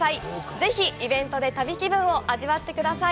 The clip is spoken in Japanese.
ぜひイベントで旅気分を味わってください。